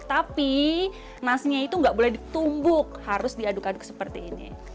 tapi nasinya itu nggak boleh ditumbuk harus diaduk aduk seperti ini